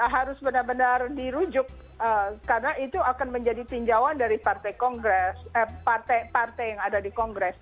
harus benar benar dirujuk karena itu akan menjadi tinjauan dari partai partai yang ada di kongres